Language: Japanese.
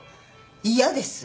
嫌です。